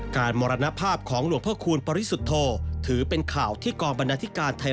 การมรณภาพของหลวงพระคูณบริสุทธโธมักมีคำสอนด้วยภาษาที่เข้าใจง่ายตรงไปตรงมา